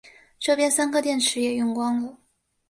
这边三颗电池也用光了